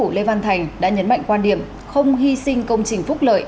chính phủ lê văn thành đã nhấn mạnh quan điểm không hy sinh công trình phúc lợi